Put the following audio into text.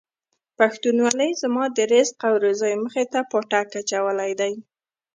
پښتونولۍ زما د رزق او روزۍ مخې ته پاټک اچولی دی.